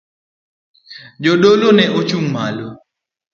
Jadolo ne ochung' malo.